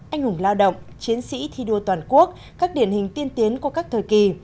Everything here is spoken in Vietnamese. anh hùng lao động chiến sĩ thi đua toàn quốc các điển hình tiên tiến qua các thời kỳ